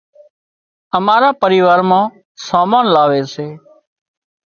امارا پريوار مان سامان لاوي سي